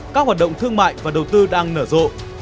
các hoạt động thương mại và đầu tư đang nở rộ